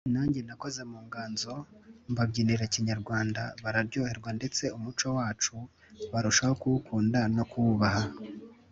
nanjye nakoze mu nganzo mbabyinira Kinyarwanda bararyoherwa ndetse umuco wacu barushaho kuwukunda no kuwubaha